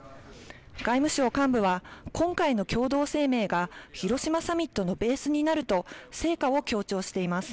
外務省幹部は、今回の共同声明が広島サミットのベースになると、成果を強調しています。